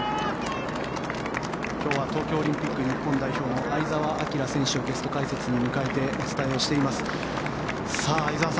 今日は東京オリンピック日本代表の相澤晃選手をゲスト解説に迎えお伝えをしています。